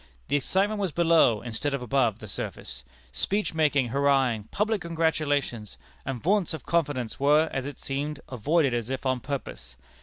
The excitement was below, instead of above, the surface. Speech making, hurrahing, public congratulations, and vaunts of confidence were, as it seemed, avoided as if on purpose.